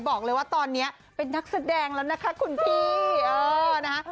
บอกเลยว่าตอนนี้เป็นนักแสดงแล้วนะคะคุณพี่เออนะคะ